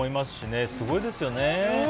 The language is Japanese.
すごいですよね。